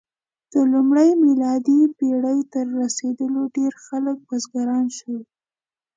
د لومړۍ میلادي پېړۍ تر رسېدو ډېری خلک بزګران شول.